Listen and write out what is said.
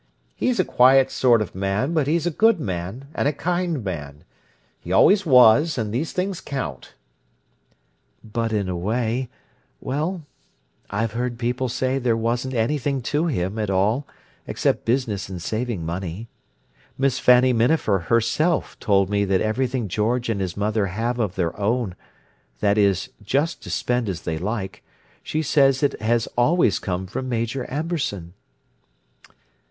"He's a quiet sort of man, but he's a good man and a kind man. He always was, and those things count." "But in a way—well, I've heard people say there wasn't anything to him at all except business and saving money. Miss Fanny Minafer herself told me that everything George and his mother have of their own—that is, just to spend as they like—she says it has always come from Major Amberson."